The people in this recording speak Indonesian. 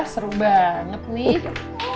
seru banget nih